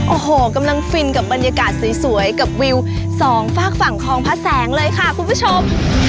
โอ้โหกำลังฟินกับบรรยากาศสวยกับวิวสองฝากฝั่งคลองพระแสงเลยค่ะคุณผู้ชม